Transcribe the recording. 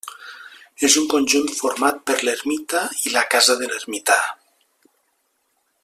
És un conjunt format per l'ermita i la casa de l'ermità.